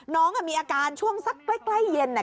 น้องมีอาการช่วงสักใกล้เย็น